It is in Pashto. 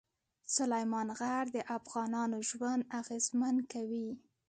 سلیمان غر د افغانانو ژوند اغېزمن کوي.